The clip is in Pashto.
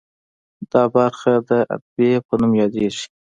دا برخه د عنبیې په نوم یادیږي.